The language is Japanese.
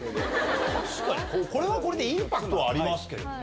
確かに、これはこれでインパクトはありますけどね。